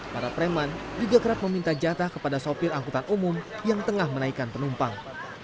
para preman juga kerap meminta jatah kepada sopir angkutan umum yang tengah menaikan penumpang